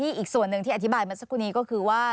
อีกส่วนหนึ่งที่อธิบายมาสักครู่นี้ก็คือว่า